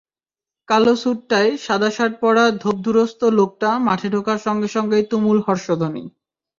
কালো স্যুট-টাই, সাদা শার্ট পরা ধোপদুরস্ত লোকটা মাঠে ঢোকার সঙ্গে সঙ্গেই তুমুল হর্ষধ্বনি।